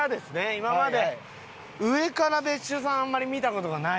今まで上から別所さんをあんまり見た事がないと。